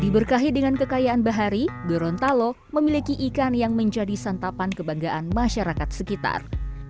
diberkahi dengan kekayaan bahari gorontalo memiliki ikan yang menjadi santapan kebanggaan masyarakat sekitar